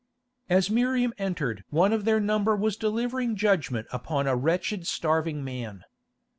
As Miriam entered one of their number was delivering judgment upon a wretched starving man.